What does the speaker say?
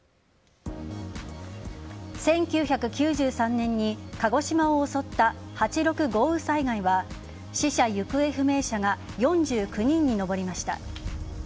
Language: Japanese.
１９９３年に鹿児島を襲った八六豪雨災害は死者・行方不明者が４９人に上りました。